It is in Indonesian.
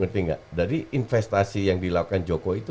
jadi investasi yang dilakukan jokowi itu